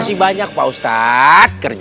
sehingga kita lebih berhenti